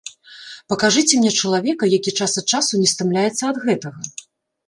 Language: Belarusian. Пакажыце мне чалавека, які час ад часу не стамляецца ад гэтага?